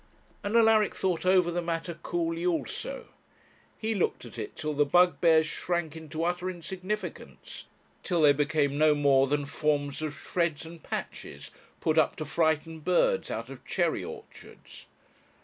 And Alaric thought over the matter coolly also. He looked at it till the bugbears shrank into utter insignificance; till they became no more than forms of shreds and patches put up to frighten birds out of cherry orchards.